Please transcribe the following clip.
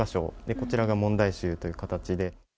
こちらが問題集という形で。